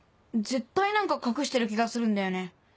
絶対何か隠してる気がするんだよね。